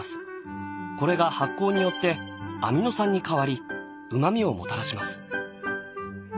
これが発酵によってアミノ酸に変わりうまみをもたらします。